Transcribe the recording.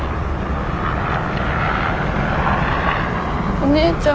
お姉ちゃん。